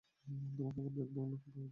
তোমাকে আবার দেখবো ভাবিনি।